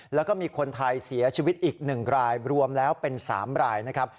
แล้วก็มีคนไทยเสียชีวิตอีก๑รายรวมแล้วเป็น๓รายนะครับ